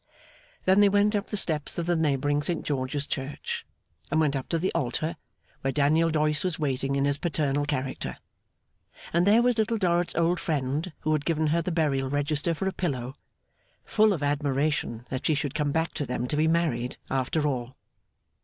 Then they went up the steps of the neighbouring Saint George's Church, and went up to the altar, where Daniel Doyce was waiting in his paternal character. And there was Little Dorrit's old friend who had given her the Burial Register for a pillow; full of admiration that she should come back to them to be married, after all.